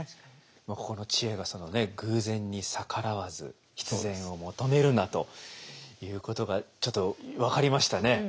ここの知恵が「偶然に逆らわず必然を求めるな」ということがちょっと分かりましたね。